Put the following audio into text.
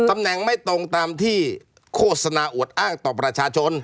ตำแหน่งไม่ตรงตามที่โฆษณาอวดอ้างต่อประชาชน